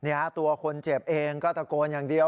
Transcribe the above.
ตัวคนเจ็บเองก็ตะโกนอย่างเดียว